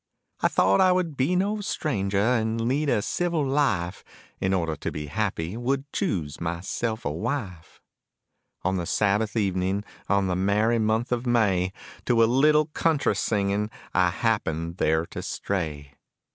I thought I would be no stranger and lead a civil life, In order to be happy would choose myself a wife. On one Sabbath evening in the merry month of May To a little country singing I happened there to stray.